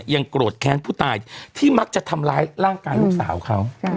โกรธแค้นผู้ตายที่มักจะทำร้ายร่างกายลูกสาวเขา